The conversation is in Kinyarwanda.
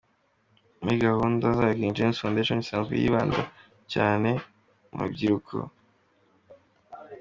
Muri gahunda zayo King James Fondation isanzwe yibanda cyane ku rubyiruko.